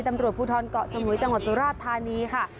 ตำรวจภูทรเกาะสมุยจังหวัดสุราชธานีค่ะ